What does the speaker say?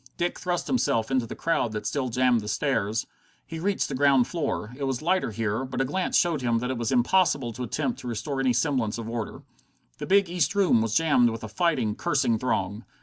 Dick thrust himself into the crowd that still jammed the stairs. He reached the ground floor. It was lighter here, but a glance showed him that it was impossible to attempt to restore any semblance of order. The big East Room was jammed with a fighting, cursing throng.